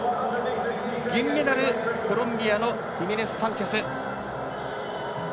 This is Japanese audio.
銀メダル、コロンビアのヒメネスサンチェス。